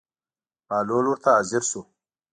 بهلول ورته حاضر شو.